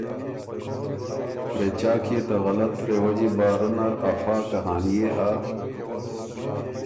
پرېچاک يې ته غلظ رېوجی بارۀ نر افا کهانئے هۀ